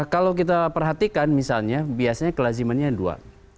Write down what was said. kalau kita perhatikan misalnya biasanya kelazimannya dua